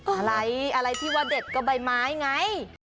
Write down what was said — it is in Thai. อะไรอะไรที่ว่าเด็ดก็ใบไม้ไง